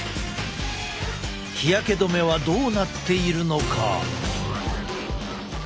日焼け止めはどうなっているのか？